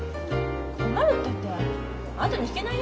困るったって後に引けないよ